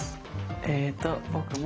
えっと僕も。